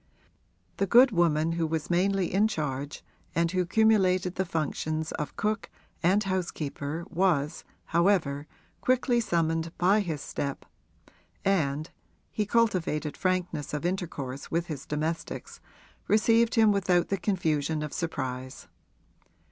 The good woman who was mainly in charge and who cumulated the functions of cook and housekeeper was, however, quickly summoned by his step, and (he cultivated frankness of intercourse with his domestics) received him without the confusion of surprise.